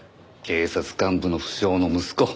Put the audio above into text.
警察幹部の不肖の息子。